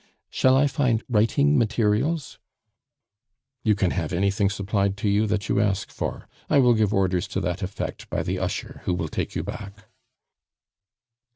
"Shall I find writing materials?" "You can have anything supplied to you that you ask for; I will give orders to that effect by the usher who will take you back."